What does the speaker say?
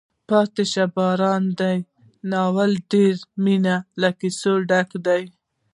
پاتې شه باران دی ناول ډېر د مینې له کیسو ډک ده.